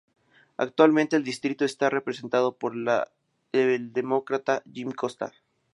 Actualmente el distrito está representado por el Demócrata Jim Costa.